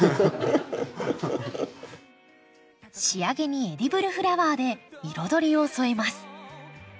仕上げにエディブルフラワーで彩りを添えます。